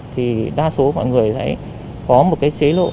thì đa số mọi người sẽ có một cái chế độ